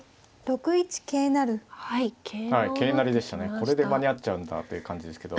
これで間に合っちゃうんだという感じですけど。